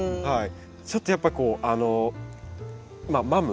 ちょっとやっぱこうマム。